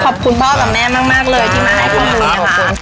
ขอบคุณพ่อกับแม่มากมากเลยที่มาให้พ่อดูเนี่ยนะขอบคุณ